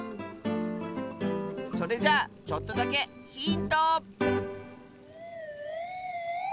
それじゃあちょっとだけヒント！